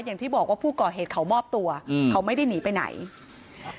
อย่างที่บอกว่าผู้ก่อเหตุเขามอบตัวอืมเขาไม่ได้หนีไปไหน